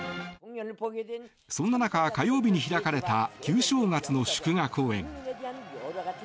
そんな中、火曜日に開かれた旧正月の祝賀公演。